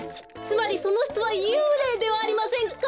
つまりそのひとはゆうれいではありませんか？